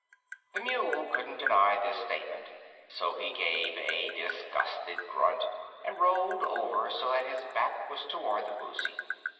The Mule couldn't deny this statement, so he gave a disgusted grunt and rolled over so that his back was toward the Woozy.